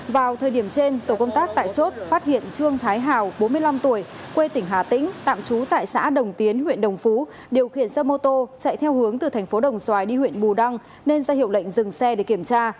vào thời điểm trên tổ công tác tại chốt phát hiện trương thái hào bốn mươi năm tuổi quê tỉnh hà tĩnh tạm trú tại xã đồng tiến huyện đồng phú điều khiển xe mô tô chạy theo hướng từ thành phố đồng xoài đi huyện bù đăng nên ra hiệu lệnh dừng xe để kiểm tra